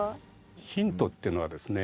ヒントっていうのがですね